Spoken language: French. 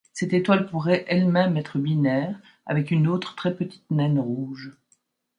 Cette étoile pourrait elle-même être binaire avec une autre très petite naine rouge.